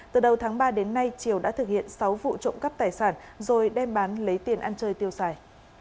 từ đầu tháng ba đến nay triều đã thực hiện sáu vụ trộm cắp tài sản rồi đem bán lấy tiền ăn chơi tiêu xài